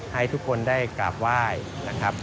ให้ทุกคนได้กราบไหว้นะครับ